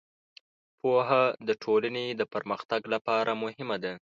پوهه د ټولنې د پرمختګ لپاره مهمه ده.